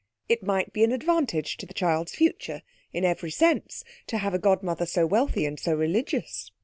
It might be an advantage to the child's future (in every sense) to have a godmother so wealthy and so religious.